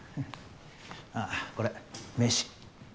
あぁこれ名刺。